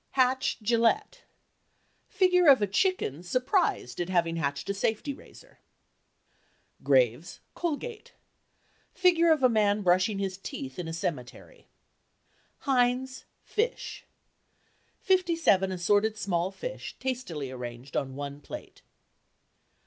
"Hatch Gillette"—figure of a chicken surprised at having hatched a safety razor. "Graves Colgate"—figure of a man brushing his teeth in a cemetery. "Heinz Fish"—57 assorted small fish tastily arranged on one plate.